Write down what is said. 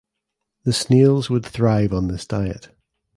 The snails would thrive on this diet.